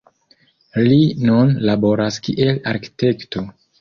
Li nun laboras kiel arkitekto.